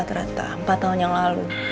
ternyata empat tahun yang lalu